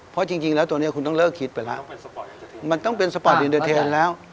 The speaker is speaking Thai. เพราะจริงแล้วตัวนี้คุณต้องเลิกคิดไปแล้วมันต้องเป็นสปอร์ตอินเตอร์เทนแล้ว